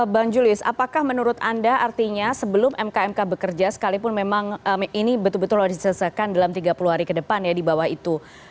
bang julius apakah menurut anda artinya sebelum mk mk bekerja sekalipun memang ini betul betul harus diselesaikan dalam tiga puluh hari ke depan ya di bawah itu